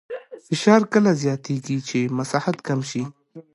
فشار کله زیاتېږي چې مساحت کم شي.